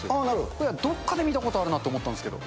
これ、どっかで見たことあるなって思ったんですけど。